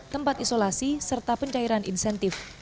tempat isolasi serta pencairan insentif